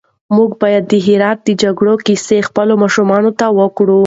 موږ بايد د هرات د جګړو کيسې خپلو ماشومانو ته وکړو.